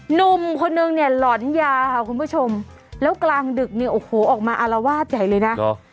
หนุ่มคนนึงเนี่ยหลอนยาค่ะคุณผู้ชมแล้วกลางดึกเนี่ยโอ้โหออกมาอารวาสใหญ่เลยนะ